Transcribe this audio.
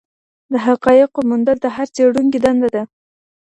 د حقایقو موندل د هر څېړونکي دنده ده.